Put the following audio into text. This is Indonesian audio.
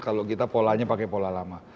kalau kita polanya pakai pola lama